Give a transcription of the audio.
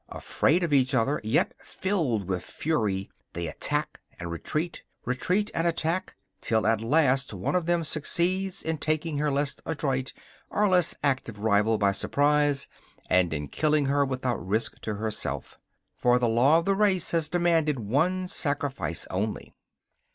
Afraid of each other, and yet filled with fury, they attack and retreat, retreat and attack, till at last one of them succeeds in taking her less adroit, or less active, rival by surprise, and in killing her without risk to herself. For the law of the race has demanded one sacrifice only.